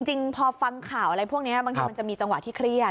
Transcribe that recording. จริงพอฟังข่าวอะไรพวกนี้บางทีมันจะมีจังหวะที่เครียด